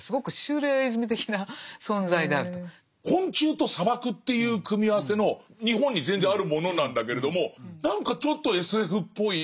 要するに昆虫と砂漠という組み合わせの日本に全然あるものなんだけれども何かちょっとＳＦっぽい。